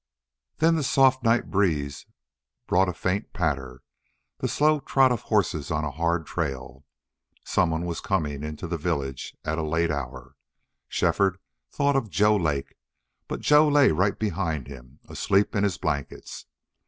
Then the soft night breeze brought a faint patter the slow trot of horses on a hard trail. Some one was coming into the village at a late hour. Shefford thought of Joe Lake. But Joe lay right behind him, asleep in his blankets.